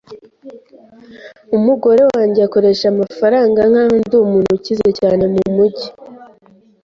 Umugore wanjye akoresha amafaranga nkaho ndi umuntu ukize cyane mumujyi.